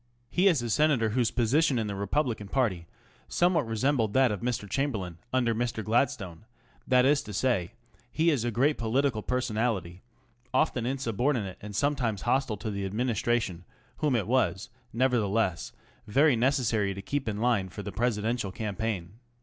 He is a senator whose position in the Republican party somewhat resembled that of Mr. Chamberlain under Mr. Gladstone ŌĆö that is to say, he is a great political personality, often insubordinate and sometimes hostile to the Adminis tration, whom it was, nevertheless, very necessary to keep in line for the Presidential campaign.